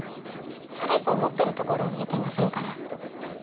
それ以降持ってるところを見てませんから。